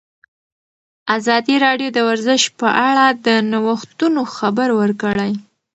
ازادي راډیو د ورزش په اړه د نوښتونو خبر ورکړی.